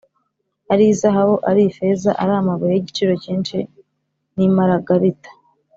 ari izahabu ari ifeza, ari amabuye y’igiciro cyinshi n’imaragarita,